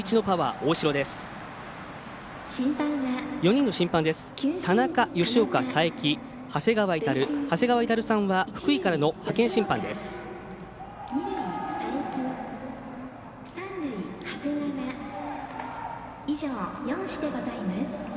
長谷川到さんは福井からの派遣審判です。